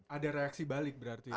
ada reaksi balik berarti